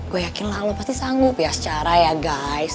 gue yakin lah lo pasti sanggup ya secara ya guys